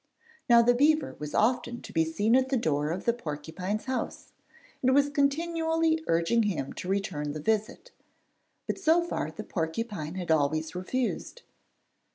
Now the beaver was often to be seen at the door of the porcupine's house, and was continually urging him to return the visit; but so far the porcupine had always refused.